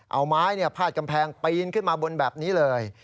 เอาไม้พาดกำแพงปีนขึ้นมาบนแบบนี้เลย